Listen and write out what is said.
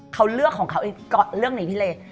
เขาเลือกของเขาเลือกไหนพี่เล